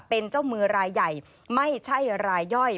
เป็นเจ้ามือรายใหญ่ไม่ใช่รายย่อย